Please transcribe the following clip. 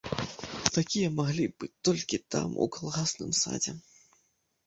Такія маглі быць толькі там, у калгасным садзе!